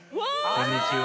こんにちは。